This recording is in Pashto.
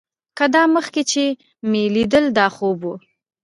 که دا مخکې چې مې ليدل دا خوب و.